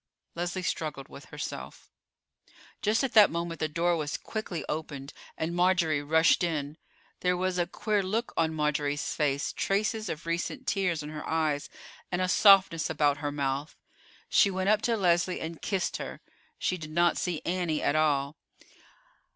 Leslie struggled with herself. Just at that moment the door was quickly opened, and Marjorie rushed in. There was a queer look on Marjorie's face, traces of recent tears in her eyes, and a softness about her mouth. She went up to Leslie and kissed her. She did not see Annie at all.